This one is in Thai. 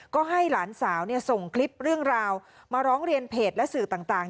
ก็ให้หลานสาวส่งคลิปเรื่องราวมาร้องเรียนเพจและสื่อต่าง